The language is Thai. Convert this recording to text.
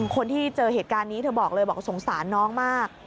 คนที่เจอเหตุการณ์นี้เธอบอกเลยบอกว่าสงสารน้องมาก